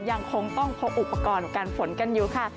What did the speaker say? ยังคงต้องพกอุปกรณ์การฝนกันอยู่ค่ะ